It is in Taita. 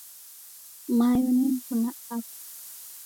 Mayo ni mruna apa.